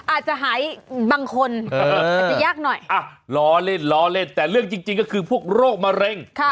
อาจจะหายบางคนอาจจะยากหน่อยล้อเล่นล้อเล่นแต่เรื่องจริงก็คือพวกโรคมะเร็ง